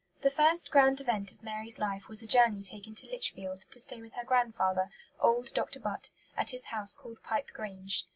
The first grand event of Mary's life was a journey taken to Lichfield, to stay with her grandfather, old Dr. Butt, at his house called Pipe Grange.